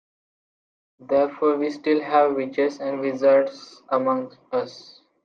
Therefore we still have witches and wizards amongst us.